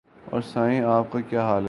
اور سنائیں آپ کا کیا حال ہے؟